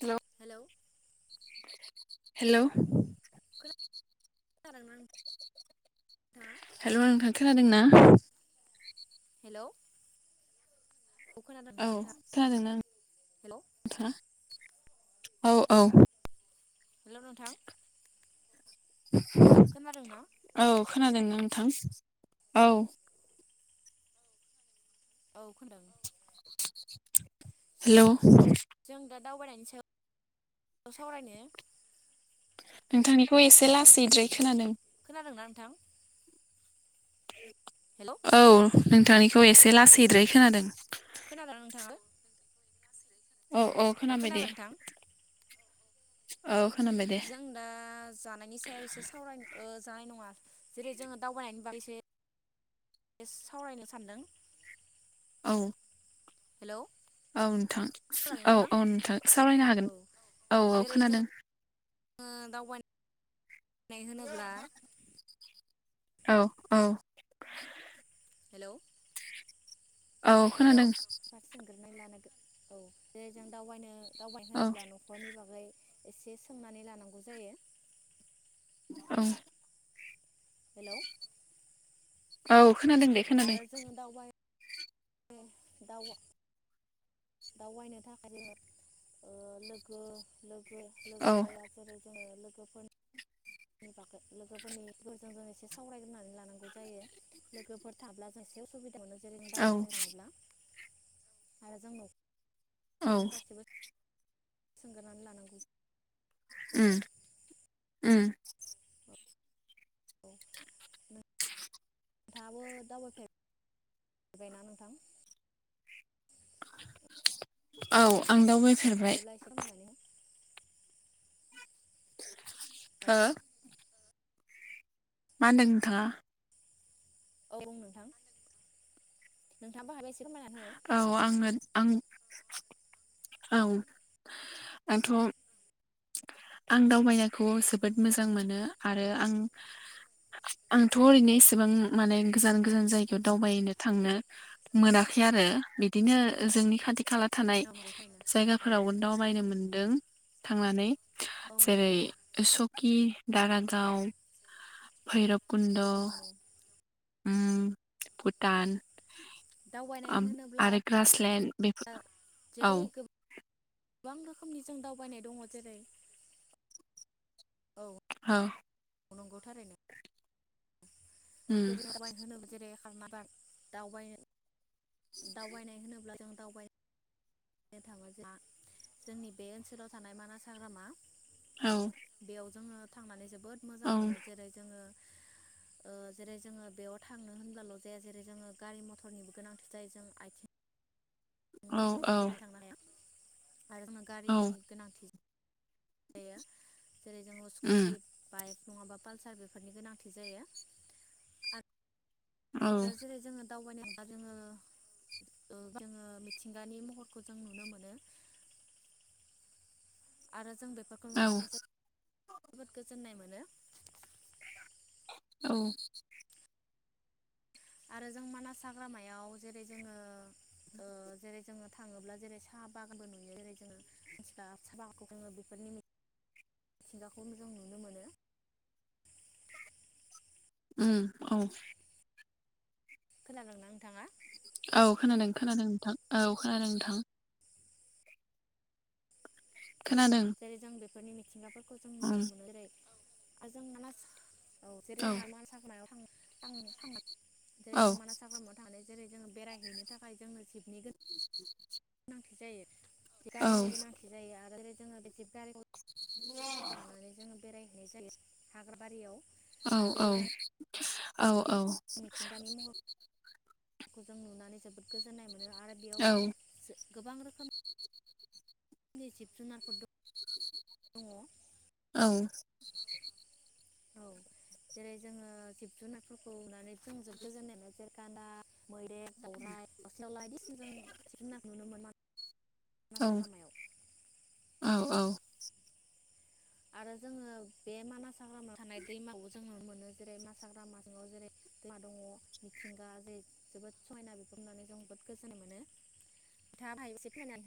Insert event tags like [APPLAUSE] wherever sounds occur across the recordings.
Hello hello खोनादोंना नोंथांआ? Hello नोंथां खोनादों ना? हेलौ औ खोनादों औ नोंथां खोनादोंना हेलौ नोंथाङा? औ औ हेलौ नोंथां। खोनादों ना? औ खोनादोंना नोंथां? औ औ खोनादों। हेलौ जों दा दावबायनायनि सायाव सावरायनो नोंथांनिखौ एसे लासैद्राय खोनादों। खोनादोंना नोंथां? हेलौ औ नोंथानि खौ एसे लासैद्राय खोनादों। खोनादों नोंथाङा औ दा खोनाबाय नोंथां? [INAUDIBLE] औ खोनाबाय दे। जों दा जानायनि सायाव एसे सावराय ओ जानाय नङा जेरै जोङो दावबायनायनि बागै एसे सावरायनो सानदों। औ हेल' औ नोंथां औ औ नोंथां सावरायनो औ हागोन। औ औ जेरै जोङो खोनादों। नाय होनोब्ला औ औ हेल' औ खोनादों। [UNINTELLIGIBLE] औ दे जों दावबायनो दावबाय औ होनोब्ला न'खरनि बागै एसे सोंनानै लानांगौ जायो। औ हेल' औ खोनादों दे खोनादों। जोङो दावबाय दावबायनो थाखाय जोङो ओ लोगो लोगो [UNINTELLIGIBLE] औ लोगोफोरनि बागै लोगोफोरनिफोरजों जों एसे सावरायग्रोनानै लानांगौ जायो। लोगोफोर थाब्ला जों एसे उसुबिदा मोनो जेरै औ दावबायनो आरो जों न' औ नख'रनि फारसेबो सोंग्रोनानै लानांगौ जायो उम उम औ नोंथाङाबो दावबायफेरबायना नोंथां?? [UNINTELLIGIBLE] औ आं दावबायफेरबाय। हायोब्ला एसे फोरमायनानै हो [UNINTELLIGIBLE] औ हो मा होनदों नोंथाङा औ नोंथां नोंथां बा हाबाय औ आङो आं औ आंथ' आं दावबायनायखौ जोबोद मोजां मोनो आरो आं आंथ' ओरैनो औ इसेबां माने गोजान गोजान जायगायाव दावबायनो थांनो मोनाखै आरो बिदिनो जोंनि खाथि खाला थानाय औ नंगौ थारैनो औ जायगाफोरावबो दावबायनो मोनदों थांनानै औ नंगौ जेरै स कि दारागाव भैरब कुन्द' औ नंगौ ओम भुटान दावबायनाय होनोब्ला आरो ग्रासलेणड बेफोर औ जेरै गोबां रोखोमनि जों दावबायनाय दङ जेरै औ नंगौथारैनो उम जेरै दाबायनो होनोब जेरै खारनाद दावबाय दावबायनाय होनोब्ला जों दावाबाय नो थाङोब्ला जोंनि बे ओनसोलाव थानाय मानास हाग्रामा औ बेयाव जोङो थांनानै जो बोद औ मोजां मोनो जेरै जोङो ओ जेरै जोङो बेयाव थांनो होनब्लाल' जाया जेरै जोङो गारि मथरनिबो गोनांथि जायो जों आथिं औ फोरजोंबो औ थाबायना थांनो हाया। आरो जोंना औ गारिनि गोनांथि माया जेरै जोङो उम स्कुटि बाइक नङाबा पालसार बेफोरनि गोनांथि जायो आरो औ आरो जेरै जोङो दावबायनोथांबा जोङो ओ जोङो मिथिंगानि महरखौ जों नुनो मोनो आरो जों बेफोरखौ औ नुनानै जो जोबोद गोजोननाय मोनो औ आरो जों मानास हाग्रामायाव जेरै जोङो ओ जेरै जोङो थाङोब्ला जेरै साहा बागानबो नुयो जेरै जोङोथि साहा बागखौ जङो बेफोरनि मिथिंगाखौ जों नुनो मोनो। उम औ खोनादों ना नोंथाङा? औ खोनादों खोनादों नोंथां औ खोनादों नोंथां। औ खोनादों जेरै जों बे फोरनि मिथिंगाफोर खौ जों उम नुनो मोनो जेरै आजों मानास औ जेङो आ मानास हाग्रायाव थां थां थांना जेरै औ जों मानास हाग्रामायाव था जेरै जोङो बेरायहैनो थाखाय जोंनो जिबनि गोनां थि जायो। औ गारिनि गोनांथि जायो आरो जोंङो बे जिपगारिखौ [UNINTELLIGIBLE] बेरायहैनाय जायो हाग्राबारियाव औ औ औ औ खौ जों नुनानै जोबोद गोजोननाय मोनो। आरो बेयाव औ गोबां रोखोम नि जिब जुनारफोर द दङ औ औ जेरै जोङो जिब जुनारफोरखौ नुनानै जों जोब गोजोननाय मोनो जेरै गानदा मैदेर दाउराइ असयावला बिदिनाजों जिब जुनार नुनो मोन म औ औ औ [INAUDIBLE] आरो जोङो बे मानास हाग्रामायाव थानाय दैमाखौ जोंङो मोनो जेरै मानास हाग्रामाजों जेरै दैमा दङ मिथिंगा जै जोबोद समायना बेखौ होननानै जों जोबोद गोजोननाय मोनो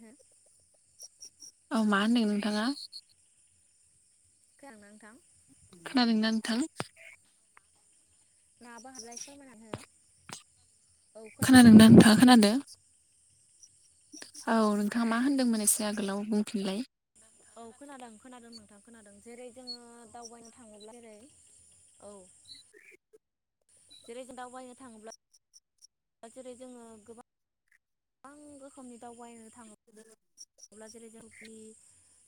[UNINTELLIGIBLE] औ मा होनदों नोंथाङा खोनादों नोंथां खोनादोंंना नोंथां नाबो हाबलाय सममायनानै हो खोनादोंना खोनादों नोंथां नोंहाबो दा हायोब्ला नोंथाङा खोनादों औ नोंथाङा मा होनदोंमोन एसे आगोलाव बुंफिनलाय औ खोनादों खोनादों नोंथां खोनादों जेरै जोङो दावबायनो थाङोब्ला जेरै औ जेरै जों दावबायनो थाङोब्ला दा जेरै जोङो गोबां गोबां रोखोमनि दावबायनो थां दोहोरोमस अब्ला जेरै जोंखि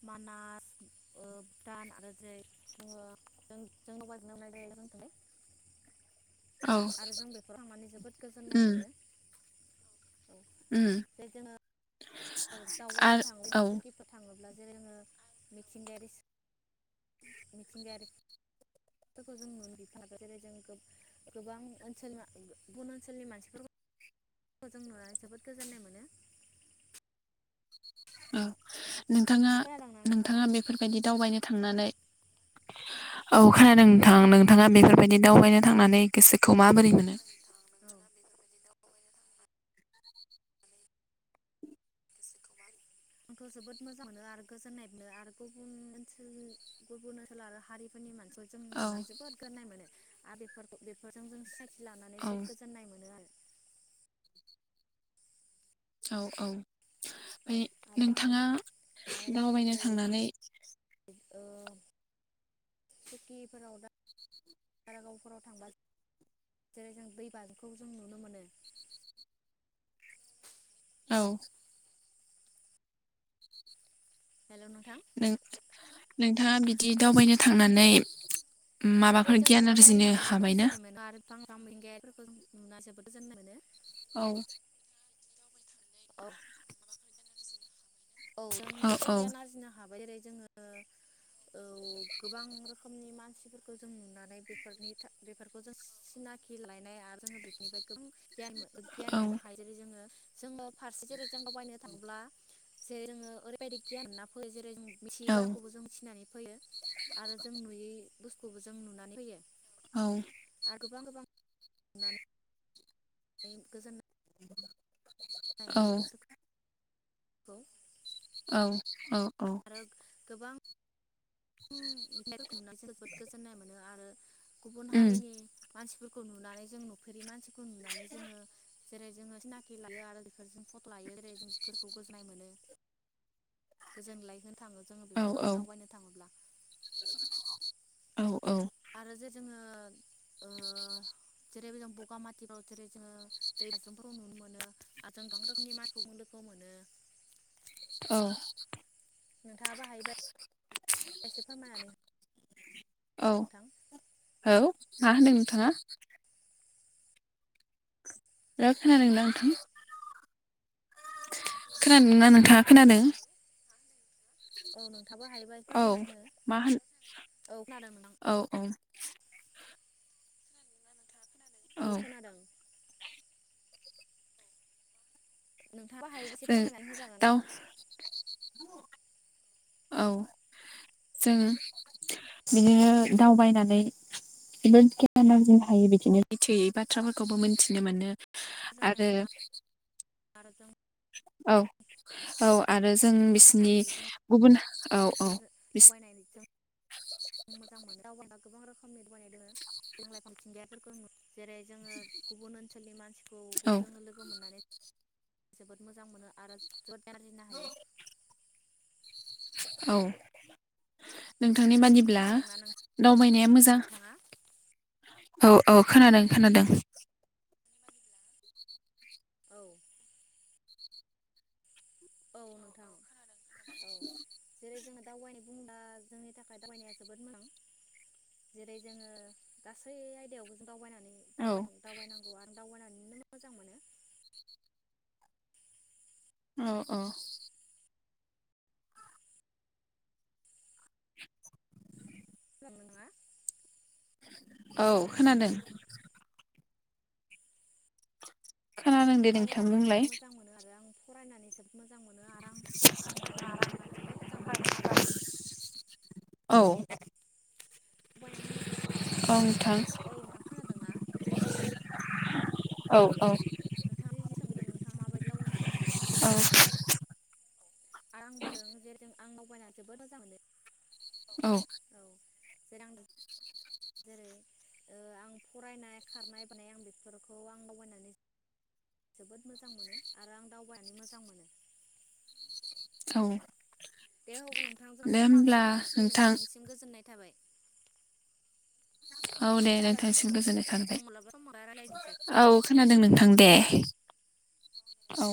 मानास ओ भुटान आरो जेरै जोङो जों दावबायबोनो मोननाय औ [UNINTELLIGIBLE] आरो जों बेफोराव माने जोबोद गोजोननाय उम मोनो उम आङो दावबायनो आरो थाङो औ जोङो सुकिफोर थाङोब्ला जेरैङो मिथिंगायारि सो मिथिंगायारिफोरखौ जों नु बिफाखो जेरै जों गोबां ओनसोलमा गुबुन ओनसोलनि मानसिफोरबो खो जों नुना जोबोद गोजोन्नाय मोनो औ नोंथाङा नोंथाङा बेफोरबायदि दावबायनो थांनानै औ खोनादों नोंथां नोंथाङा बेफोरबायदि दावबायनो औ थांनानै गोसोखौ माबोरै मोनो औ आंथ जोबोद मोजां मोनो आरो गोजोननाय मोनो आरो गुबुन ओनसोल गुबुन ओनसोल आरो हारिफोरनि मान सै जों औ नुना जोबोद गाननाय मोनो आरो बेफोरखौ बेफोरजों जों सिनाय थि लानानै औ जोबोद गोजोननाय मोनो आरो औ औ औ ओमफाय आरो जोङो नोंथाङा आरो जोङो दावबायनो जेरै थांनानै ओ सुकिफोराव दा [INAUDIBLE] गावफोराव थांबा जेरै जों दै बाज्रुमखौ जों नुनो मोनो औ हेलौ नोंथां नों नोंथाङा बिदि दावबायनो थांनानै हेलौ माबाफोर गियान आरजिनो हाबाय ना? बां मिथिगायारिफोरखौ जों नुना जोबोद गोजोननाय मोनो औ औ [INAUDIBLE] औ जों जोबोद गियान आरजिनो हा बै जेरै जोङो औ गोबां रोखोमनि मानसिफोरखौ जों नुनानै बेफोरनि था बेफोरखौ जों सि सिनाखि लालायनाय आरो जोङो बिबनिफाय गोबां गियान मो गियान औ मोननो हायो जेरै जोङो जोङो फारसे जेरै जों दावबायनो थाङोब्ला जेरै जोङो ओरैबायदि गियान मोनना फैयो जेरै जों मिथियि औ बाराखौबो जों मिथिनानै फैयो आरो जों नुयै बुस्थुबो जों नुनानै फैयो औ आरो गोबां गोबां [UNINTELLIGIBLE] नै गोजोन औ [INAUDIBLE] [INAUDIBLE] औ औ आरो गोबां [INAUDIBLE] गुबुन उम हारिनि मानसिफोर औ औ [INAUDIBLE] [INAUDIBLE] औ औ आरो जे जोङो ओ [INAUDIBLE] [INAUDIBLE] औ नोंथाङाबो हायोबाय एसे फोरमायनानै हो औ नोंथां औ मा होनदों? हो? खोनादोंना नोंथां खोनादोंना नोंथाङा खोनादों? [INAUDIBLE] औ फोरमायनानै हो मा होन औ खोनादों नोंथां औ औ औ खोनादों। नोंथाङाबो हायोबा एसे जों फोरमायनानै होजागोन दाउ औ जों बिदिनो दावबायनानै [UNINTELLIGIBLE] हायो बिदिनो मिथियै बाथ्रा फोरखौबो मिथिनो मोनो गोजोननाय आरो मोनो आरो जों औ औ आरो जों बिसिनि फरायनानै जों गुबुन औ औ गोजो दावबायनायजों [UNINTELLIGIBLE] मोजां मोनो दावबायबा गोबां रोखोमनि [INAUDIBLE] जेरै जोङो गुबुन ओन सोलनि मानसि खौ बो औ जों लोगो मोननानै जोबोद मोजां मोनो आरो जद औ नोंथांनि बादिब्ला खोनादोंना दावबायनाया मोजां? नोंथाङा औ औ खोनादों खोनादों। औ औ नोंथां औ जेरै जोङो दावबायनो बुंब्ला जोंनि थाखाय दावबायनाया जोबोद मोजां जेरै जोङो गासै आयदायावबो जों दावबायनानै औ दावबाय दावबायनांगौ आं दावबायनानैनो मो मोजां मोनो। ओम ओम [INAUDIBLE] खोदोंना? औ खोनादों। खोनादों दे नोंथां दावबायनानै आं जोबोद बुंलाय मोजां मोनो आरो आं फरायनानै जोब मोजां मोनो आरो आं खारना बारना जोबोद मोजां मोनो। औ दावबायनाय होनोब्लाथ' गोबां औ रोखोम नोंथां दाबायनाय दं औ नोंथां खोनादोंना औ नोंथां [INAUDIBLE] नोंथाङा माबायदि दावबायना मोजां मोनो औ नोंथां? आरो आं बुंदों जे जों आं दावबायायना जोबोद मोजां मोनो। औ औ जेरै आं जेरै ओ आं फरायनाय खारनाय बानाय आं बेफोरखौ आं दावबायनानै जोबोद मोजां मोनो आरो आं दावबायनानै मोजां मोनो। औ दे अब्ला नों नोंथांजों दे समाबो होमब्ला जाथ'नोसै नोंथां निसिम गोजोन्नाय थाबाय। औ दे खोनादों नोंथां सिम नोंथाङा गोजोननाय जों थाबाय माब्लाबा समाव रायलायनोसै औ। खोनादों नोंथां दे औ।